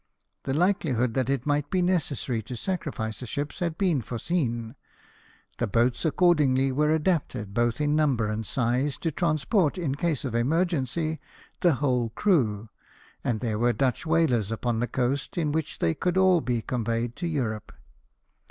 The likelihood that it might be necessary to sacrifice the ships had been foreseen ; the boats accordmgly were adapted, both in number and size, to transport, in case of emergency, the whole crew : and there were Dutch whalers upon the coast in which they could all be conveyed to Europe.